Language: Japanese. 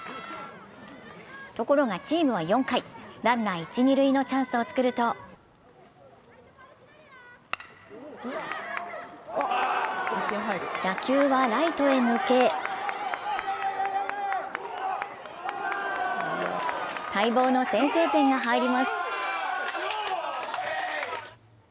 ところがチームは４回、ランナー一・二塁のチャンスを作ると打球はライトへ抜け待望の先制点が入ります。